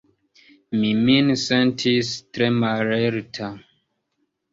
Mi min sentis tre mallerta.